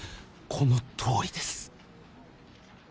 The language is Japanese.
このとおりです。